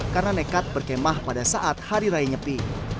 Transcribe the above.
karena nekat berkemah pada saat hari raya nyepi